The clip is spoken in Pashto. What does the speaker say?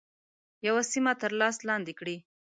یوه سیمه تر لاس لاندي کړي.